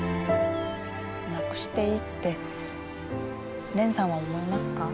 なくしていいって蓮さんは思いますか？